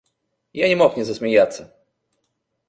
Я не мог не засмеяться.